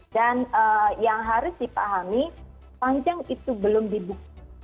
dan yang harus dipahami panjang itu belum dibuka